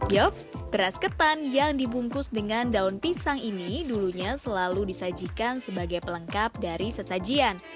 yof beras ketan yang dibungkus dengan daun pisang ini dulunya selalu disajikan sebagai pelengkap dari sesajian